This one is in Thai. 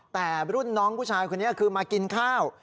แต่รุ่นน้องผู้ชายคนนี้คือมากินข้าว